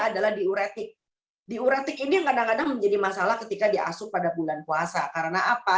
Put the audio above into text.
adalah diuretik diuretik ini yang kadang kadang menjadi masalah ketika diasuh pada bulan puasa karena apa